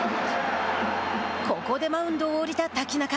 ここでマウンドを降りた瀧中。